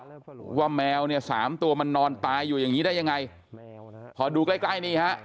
แล้วว่าแมวเนี่ยสามตัวมันนอนตายอยู่อย่างงี้ได้ยังไงพอดูใกล้ใกล้นี่ฮะ